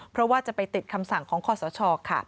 เพราะว่าจะไปติดคำสั่งของคอสชค่ะ